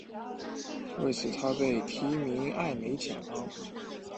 为此他被提名艾美奖。